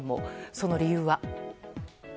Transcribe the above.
その理由は。